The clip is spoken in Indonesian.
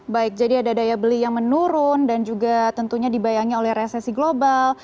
baik jadi ada daya beli yang menurun dan juga tentunya dibayangi oleh resesi global